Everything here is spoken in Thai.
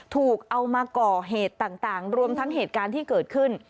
ถูกเอามาก่อเหตุต่างรวมทั้งเหตุการณ์ที่เกิดขึ้น